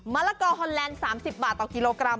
ละกอฮอนแลนด์๓๐บาทต่อกิโลกรัม